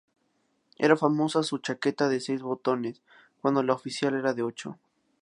Era famosa su chaqueta de seis botones, cuando la oficial era de ocho.